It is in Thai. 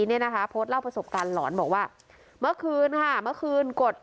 เนี่ยนะคะโพสต์เล่าประสบการณ์หลอนบอกว่าเมื่อคืนค่ะเมื่อคืนกด